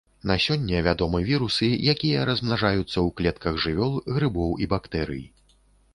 На сёння вядомы вірусы, якія размнажаюцца ў клетках жывёл, грыбоў і бактэрый.